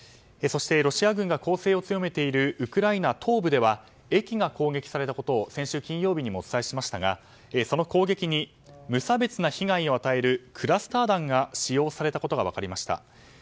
ロシア軍が攻勢を強めているウクライナ東部では駅が攻撃されたことを先週金曜日にもお伝えしましたがその攻撃に無差別な被害を与えるクラスター弾が使用されたことが分かりました。